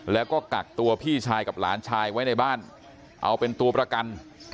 แล้วก็กักตัวพี่ชายกับหลานชายไว้ในบ้านเอาเป็นตัวประกัน